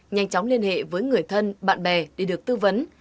nhanh chóng liên hệ với người thân bạn bè để được tư vấn